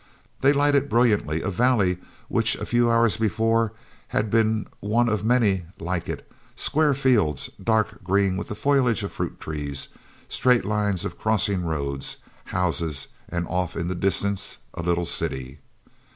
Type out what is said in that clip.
They lighted brilliantly a valley which, a few hours before, had been one of many like it—square fields, dark green with the foliage of fruit trees, straight lines of crossing roads, houses, and off in the distance a little city.